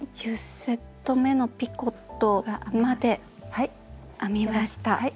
１０セットめのピコットまで編みました。